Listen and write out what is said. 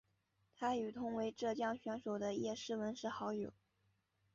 她与同为浙江选手的叶诗文是好友。